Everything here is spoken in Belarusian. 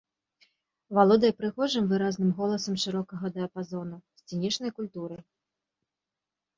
Валодае прыгожым выразным голасам шырокага дыяпазону, сцэнічнай культурай.